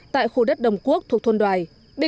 tại khu đất đồng quốc thuộc thôn đoài